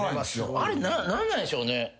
あれ何なんでしょうね。